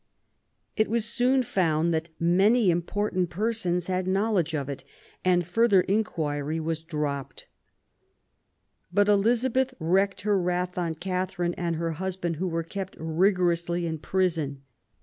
It was soon found that many important persons had knowledge of it, and further inquiry was dropped. But Elizabeth wreaked her wrath on Catharine and her husband, who were kept rigorously in prison.